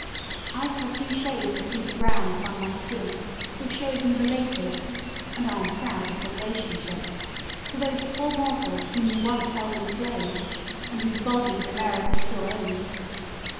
I have a few shades of deeper brown upon my skin which shows me related and I am proud of the relationship to those poor mortals whom you once held enslaved, and whose bodies America still owns.